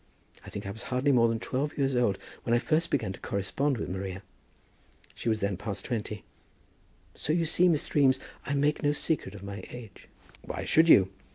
I think I was hardly more than twelve years old when I first began to correspond with Maria. She was then past twenty. So you see, Mr. Eames, I make no secret of my age." "Why should you?"